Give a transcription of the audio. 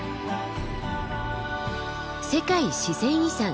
世界自然遺産